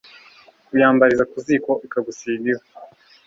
uyambariza ku ziko ikagusiga ivu